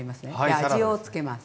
味をつけます。